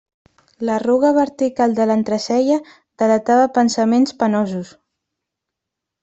L'arruga vertical de l'entrecella delatava pensaments penosos.